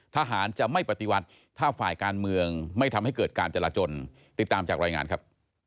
ทหารจะไม่ปฏิวัติถ้าฝ่ายการเมืองไม่ทำให้เกิดการจราจนติดตามจากรายงานครับ